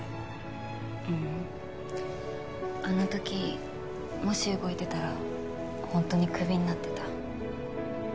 ううんあの時もし動いてたら本当にクビになってた。